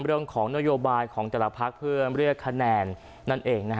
เรื่องของนโยบาลของแต่ละภาคเพื่อเลือกคะแนนนั่นเองนะฮะ